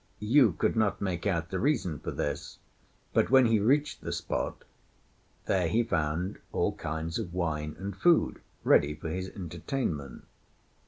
Yu could not make out the reason for this; but when he reached the spot there he found all kinds of wine and food ready for his entertainment.